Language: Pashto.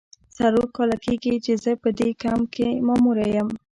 څلور کاله کیږي چې زه په دې کمپ کې ماموره یم.